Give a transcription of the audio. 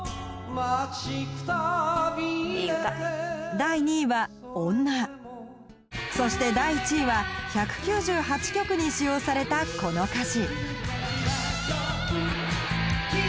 第２位は「女」そして第１位は１９８曲に使用されたこの歌詞